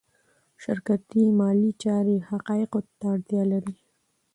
شرکتي مالي چارې حقایقو ته اړتیا لري.